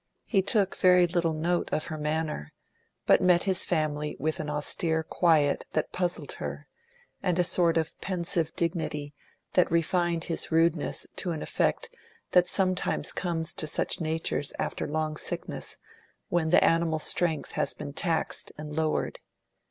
He took very little note of her manner, but met his family with an austere quiet that puzzled her, and a sort of pensive dignity that refined his rudeness to an effect that sometimes comes to such natures after long sickness, when the animal strength has been taxed and lowered.